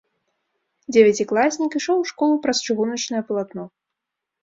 Дзевяцікласнік ішоў у школу праз чыгуначнае палатно.